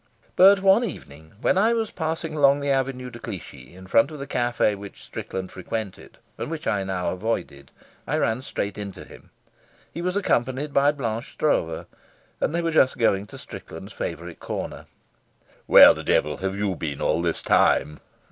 But one evening when I was passing along the Avenue de Clichy in front of the cafe which Strickland frequented and which I now avoided, I ran straight into him. He was accompanied by Blanche Stroeve, and they were just going to Strickland's favourite corner. "Where the devil have you been all this time?"